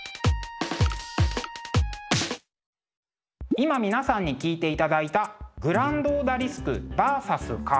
今皆さんに聴いていただいた「グランド・オダリスクＶＳ蚊」。